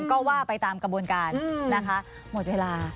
ก็ว่าไปตามกระบวนการนะคะหมดเวลา